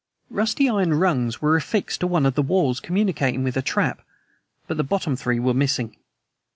Rusty iron rungs were affixed to one of the walls communicating with a trap but the bottom three were missing!